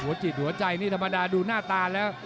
จิตหัวใจนี่ธรรมดาดูหน้าตาแล้ว